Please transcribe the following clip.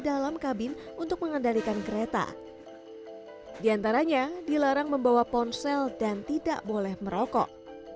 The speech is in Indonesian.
dalam kabin untuk mengendalikan kereta diantaranya dilarang membawa ponsel dan tidak boleh merokok